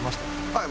はい。